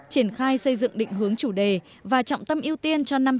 triển khai xây dựng định hướng chủ đề và trọng tâm ưu tiên cho năm hai nghìn hai mươi